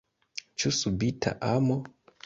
Ĉu subita amo?